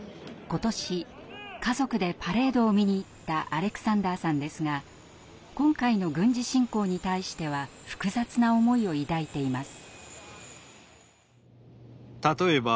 今年家族でパレードを見に行ったアレクサンダーさんですが今回の軍事侵攻に対しては複雑な思いを抱いています。